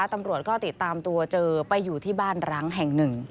ตำรวจก็ติดตามตัวเจอไปอยู่ที่บ้านร้างแห่งหนึ่ง